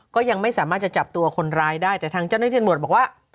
ก็ยังไม่สามารถจะจับตัวคนร้ายได้แต่ทางเจ้าหน้าที่หมวดบอกว่า